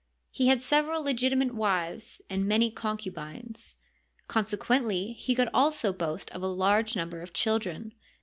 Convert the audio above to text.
He had several legitimate wives and many concubines. Consequently he could also boast of a large number of children.